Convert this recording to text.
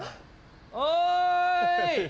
おい！